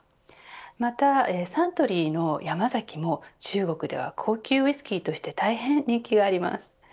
またサントリーの山崎も中国では高級ウイスキーとして大変人気があります。